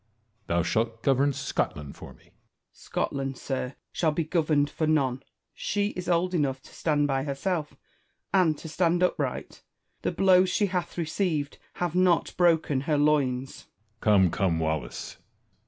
Thou shalt govern Scotland for me. Wallace. Scotland, sir, shall be governed for none : she is old enough to stand by herself, and to stand upright ; the blows she hath received have not broken her loins. Edward. Come, come, Wallace